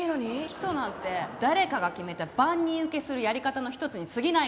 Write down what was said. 基礎なんて誰かが決めた万人受けするやり方の一つに過ぎないから。